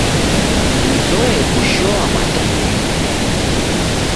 Mzoe kushoamatandiko.